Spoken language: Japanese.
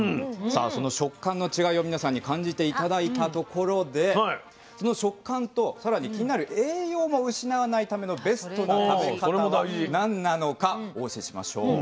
さあその食感の違いを皆さんに感じて頂いたところでその食感とさらに気になる栄養を失わないためのベストな食べ方は何なのかお教えしましょう。